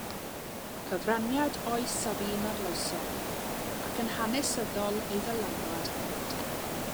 Cyfraniad oes a fu'n arloesol, ac yn hanesyddol ei ddylanwad hefyd.